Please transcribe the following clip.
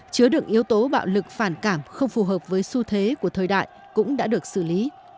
chứa đựng yếu tố bạo lực phản cảm không phù hợp với xu thế của thời đại cũng đã được xử lý